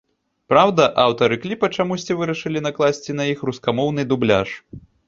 Праўда, аўтары кліпа чамусьці вырашылі накласці на іх рускамоўны дубляж.